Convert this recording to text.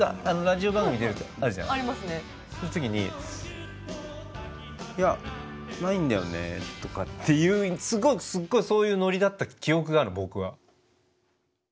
その時に「いやないんだよね」とかっていうすごいすっごいそういうノリだった記憶がある僕は。